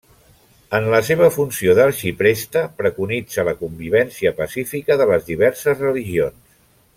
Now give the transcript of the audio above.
En la seva funció d'arxipreste preconitza la convivència pacífica de les diverses religions.